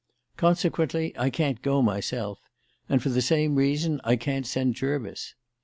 Consequently, I can't go myself, and, for the same reason, I can't send Jervis.